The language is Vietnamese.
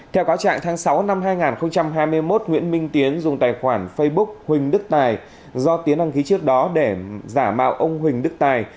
theo cáo trạng tháng sáu năm hai nghìn hai mươi một nguyễn minh tiến dùng tài khoản facebook huỳnh đức tài do tiến đăng ký trước đó để giả mạo ông huỳnh đức tài